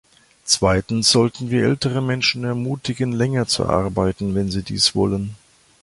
Zweitens sollten wir ältere Menschen ermutigen, länger zu arbeiten, wenn sie dies wollen.